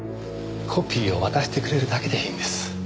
コピーを渡してくれるだけでいいんです。